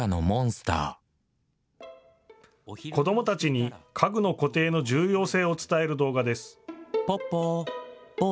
子どもたちに家具の固定の重要性を伝える動画です。